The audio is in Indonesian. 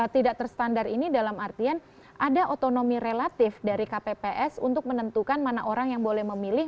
tidak terstandar ini dalam artian ada otonomi relatif dari kpps untuk menentukan mana orang yang boleh memilih